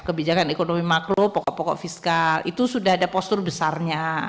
kebijakan ekonomi makro pokok pokok fiskal itu sudah ada postur besarnya